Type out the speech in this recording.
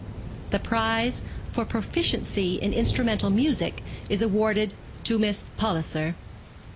'The prize for proficiency in instrumental music is awarded to Miss Palliser!'